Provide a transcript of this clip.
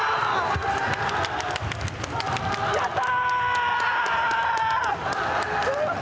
・やった！